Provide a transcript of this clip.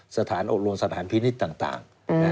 สถานอบรวมสถานพินิษฐ์ต่าง